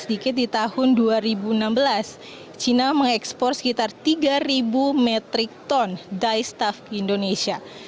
sedikit di tahun dua ribu enam belas china mengekspor sekitar tiga metric ton dystaf ke indonesia